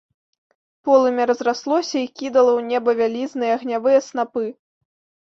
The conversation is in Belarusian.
Полымя разраслося й кідала ў неба вялізныя агнявыя снапы.